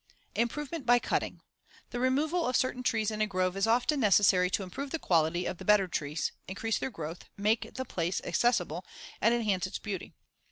Improvement by cutting: The removal of certain trees in a grove is often necessary to improve the quality of the better trees, increase their growth, make the place accessible, and enhance its beauty.